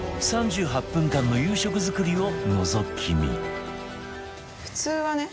３８分間の夕食作りをのぞき見